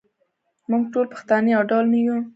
موږ ټول پښتانه یو ډول نه یوو.